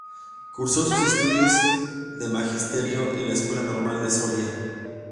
Cursó sus estudios de Magisterio en la Escuela Normal de Soria.